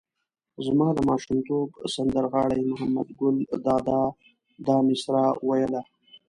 زما د ماشومتوب سندر غاړي محمد ګل دادا دا مسره ویله.